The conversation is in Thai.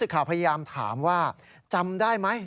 ข่าวพยายามถามว่าจำได้ไหม